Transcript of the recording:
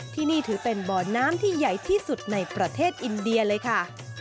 ที่นี่ถือเป็นบ่อน้ำที่ใหญ่ที่สุดในประเทศอินเดียเลยค่ะ